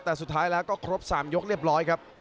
แต่สุดท้ายแล้วก็ครบ๓ยกเรียบร้อยครับ